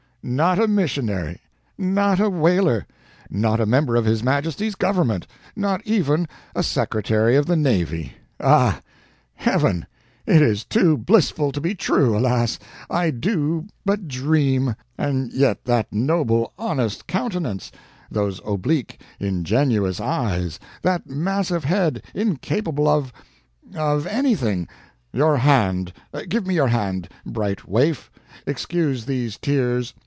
Not a missionary! not a whaler! not a member of his Majesty's government! not even a Secretary of the Navy! Ah! Heaven! it is too blissful to be true, alas! I do but dream. And yet that noble, honest countenance those oblique, ingenuous eyes that massive head, incapable of of anything; your hand; give me your hand, bright waif. Excuse these tears.